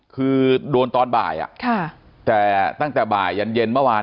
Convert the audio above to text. คือโดนตอนบ่ายแต่ตั้งแต่บ่ายยันเย็นเมื่อวาน